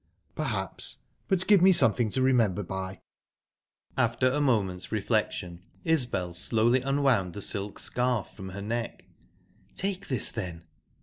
"Perhaps; but give me something to remember by." After a moment's reflection, Isbel slowly unwound the silk scarf from her neck. "Take this, then!"